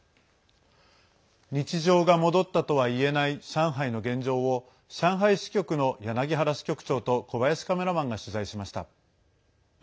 日常が戻ったとはいえない上海の現状を上海支局の柳原支局長と小林カメラマンが取材しました。